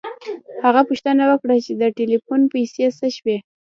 هغه پوښتنه وکړه چې د ټیلیفون پیسې څه شوې